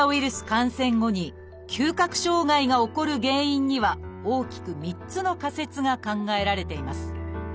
感染後に嗅覚障害が起こる原因には大きく３つの仮説が考えられています。